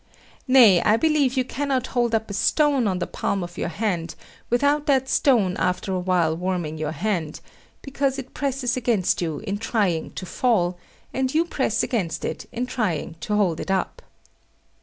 Nay, I believe you cannot hold up a stone on the palm of your hand without that stone after a while warming your hand, because it presses against you in trying to fall, and you press against it in trying to hold it up.